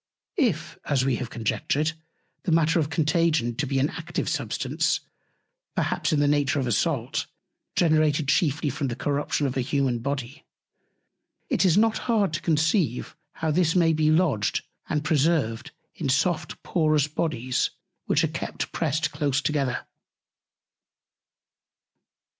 If, as we have conjectured, the Matter of Contagion be an active Substance, perhaps in the Nature of a Salt, generated chiefly from the Corruption of a Humane Body, it is not hard to conceive how this may be lodged and preserved in soft, porous Bodies, which are kept pressed close together.